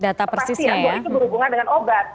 data persis yang berhubungan dengan obat